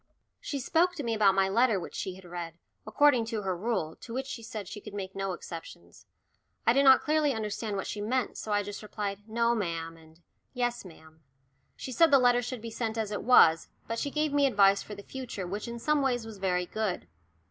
She spoke to me about my letter which she had read, according to her rule, to which she said she could make no exceptions. I did not clearly understand what she meant, so I just replied "No, ma'am," and "Yes, ma'am." She said the letter should be sent as it was, but she gave me advice for the future which in some ways was very good.